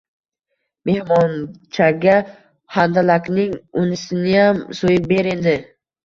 Mehmonchaga handalakning unisiniyam so‘yib ber endi